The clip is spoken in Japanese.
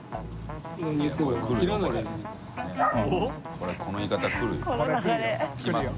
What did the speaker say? これこの言い方来るよ。